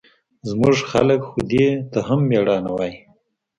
زموږ خلق خو دې ته هم مېړانه وايي.